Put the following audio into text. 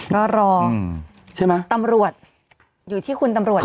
ก็รอตำรวจอยู่ที่คุณตำรวจอ่ะ